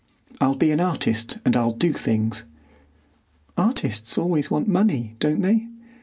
"I'll be an artist, and I'll do things." "Artists always want money, don't they?"